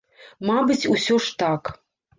Мабыць, усё ж, так.